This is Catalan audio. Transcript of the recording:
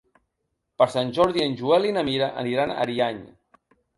Per Sant Jordi en Joel i na Mira aniran a Ariany.